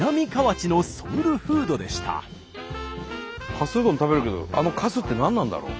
かすうどん食べるけどあのかすって何なんだろ？